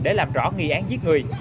để làm rõ nghi án giết người